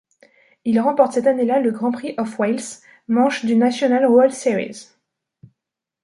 Il remporte cette année-là le Grand Prix of Wales, manche du National Road Series.